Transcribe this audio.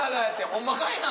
ホンマかいな！